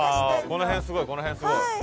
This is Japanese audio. この辺すごいこの辺すごい。